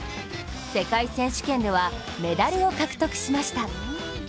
世界選手権ではメダルを獲得しました。